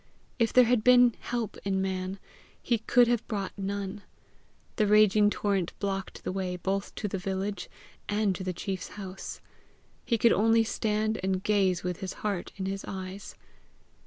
If there had been help in man, he could have brought none; the raging torrent blocked the way both to the village and to the chief's house. He could only stand and gaze with his heart in his eyes.